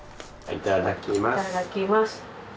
いただきます。